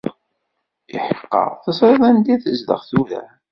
Iḥeqqa, teẓriḍ anda i tezdeɣ tura?